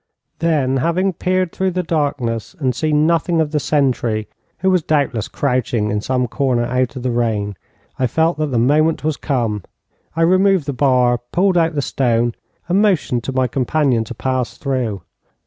Then having peered through the darkness, and seen nothing of the sentry, who was doubtless crouching in some corner out of the rain, I felt that the moment was come. I removed the bar, pulled out the stone, and motioned to my companion to pass through.